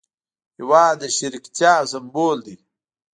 هېواد د شریکتیا سمبول دی.